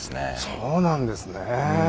そうなんですね。